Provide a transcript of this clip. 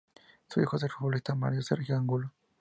Su hijo es el futbolista Mario Sergio Angulo.